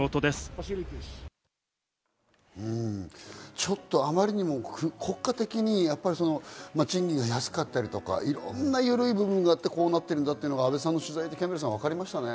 ちょっと、あまりにも国家的に賃金が安かったりとか、いろんなゆるい部分があって、こうなっているんだっていうのが阿部さんの取材でキャンベルさん、分かりましたね。